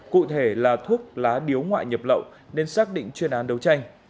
cụ thể là thuốc lá điếu ngoại nhập lậu nên xác định chuyên án đấu tranh